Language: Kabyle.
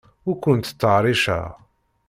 Ur ken-ttṭerriceɣ.